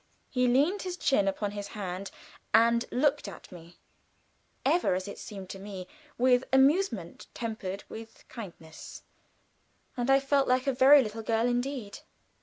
He leaned his chin upon his hand and looked at me, ever, as it seemed to me, with amusement tempered with kindness, and I felt like a very little girl indeed.